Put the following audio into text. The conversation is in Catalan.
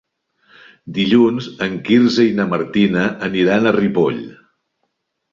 Dilluns en Quirze i na Martina aniran a Ripoll.